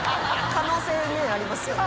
可能性ねありますよね。